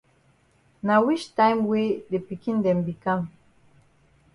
Na wich time wey de pikin dem be kam?